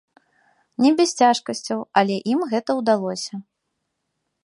Не без цяжкасцяў, але ім гэта ўдалося.